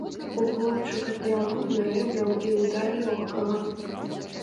У хлопчыка пераломы рэбраў і ўдар лёгкага.